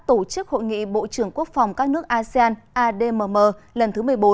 tổ chức hội nghị bộ trưởng quốc phòng các nước asean admm lần thứ một mươi bốn